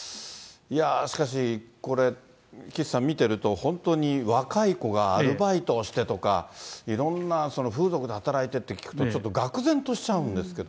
しかし、これ、岸さん見てると、本当に若い子がアルバイトをしてとか、いろんな風俗で働いてって聞くと、ちょっとがく然としちゃうんですけど。